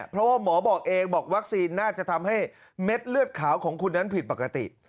เพราะว่าหมอบอกเองบอกวัคซีนน่าจะทำให้เม็ดเลือดขาวของคุณนั้นผิดปกติ